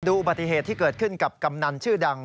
อุบัติเหตุที่เกิดขึ้นกับกำนันชื่อดัง